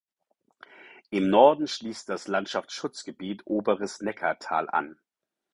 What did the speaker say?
Im Norden schließt das Landschaftsschutzgebiet Oberes Neckartal an.